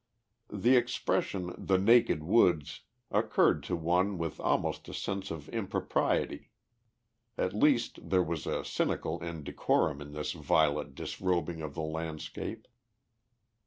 _ The expression, "the naked woods," occurred to one with almost a sense of impropriety. At least there was a cynical indecorum in this violent disrobing of the landscape.